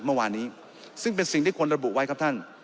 เมื่อวานนี้ซึ่งเป็นสิ่งที่ควรระบุไว้ครับท่าน